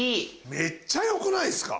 めっちゃよくないですか？